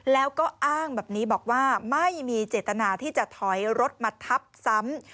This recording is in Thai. แล้วก็อ้างแบบนี้บอกว่าไม่มีเจตนาที่จะถอยรถมาทับซ้ำ